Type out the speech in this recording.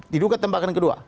diduga tembakan kedua